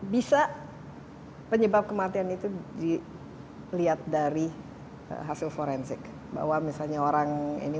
bisa penyebab kematian itu dilihat dari hasil forensik bahwa misalnya orang ini